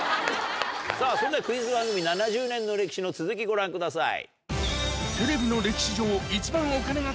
さぁそれではクイズ番組７０年の歴史の続きご覧ください。